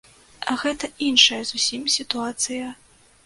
Гэта іншая зусім сітуацыя.